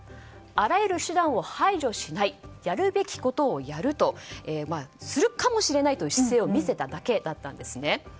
あらゆる手段を排除しないやるべきことをやるとするかもしれないという姿勢を見せただけだったんです。